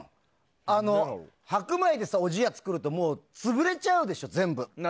白米でおじやを作ると潰れちゃうでしょ、全部。